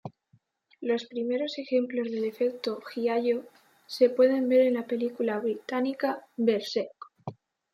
Los primeros ejemplos del efecto "giallo" se pueden ver en la película británica "Berserk!